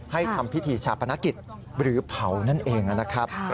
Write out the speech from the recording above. ทำพิธีชาปนกิจหรือเผานั่นเองนะครับ